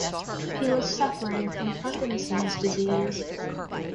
He was suffering from Parkinson's disease.